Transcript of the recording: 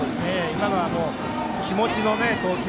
今のは気持ちの投球。